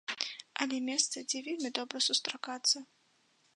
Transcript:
Але месца, дзе вельмі добра сустракацца.